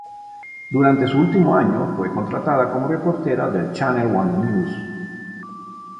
Durante su último año, fue contratada como reportera de "Channel One News".